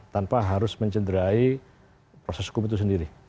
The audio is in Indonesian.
tanpa harus mencederai proses hukum itu sendiri